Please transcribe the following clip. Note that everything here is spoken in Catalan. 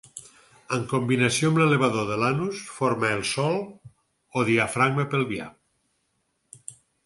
En combinació amb l'elevador de l'anus, forma el sòl o diafragma pelvià.